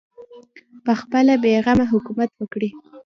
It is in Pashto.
پخپله بې غمه حکومت وکړي